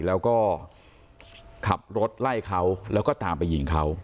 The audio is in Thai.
แล้วก็ขับรถไล่เขาแล้วก็ตามไปยิงเขา